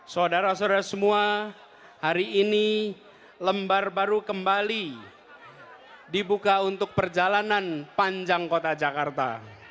saudara saudara semua hari ini lembar baru kembali dibuka untuk perjalanan panjang kota jakarta